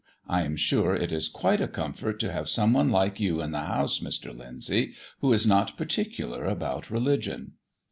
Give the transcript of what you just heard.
I am sure it is quite a comfort to have someone like you in the house, Mr. Lyndsay, who is not particular about religion."